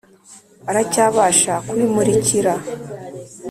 Aracyabasha kubimurikira